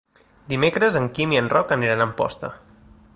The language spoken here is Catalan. Dimecres en Quim i en Roc aniran a Amposta.